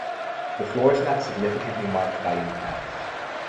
The floor is not significantly marked by impacts.